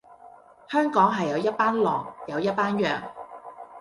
香港係有一班狼，有一班羊